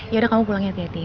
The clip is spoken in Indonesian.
yaudah kamu pulang hati hati